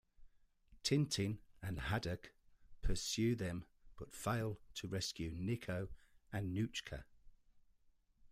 Tintin and Haddock pursue them but fail to rescue Niko and Nouchka.